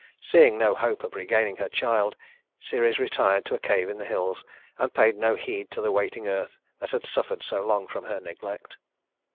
Seeing no hope of regaining her child, Ceres retired to a cave in the hills, and paid no heed to the waiting earth that had suffered so long from her neglect.